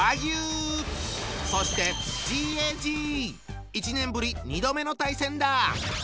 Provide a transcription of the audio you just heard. そして１年ぶり２度目の対戦だ！